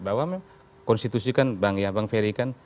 bahwa memang konstitusi kan bang ferry kan